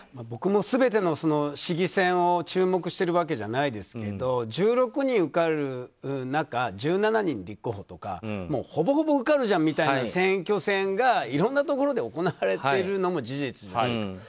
僕も全ての市議選を注目しているわけじゃないですけど１６人受かる中１７人立候補とかほぼほぼ受かるじゃんみたいな選挙戦がいろいろなところで行われているのも事実じゃないですか。